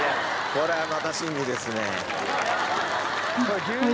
これはまた審議ですね。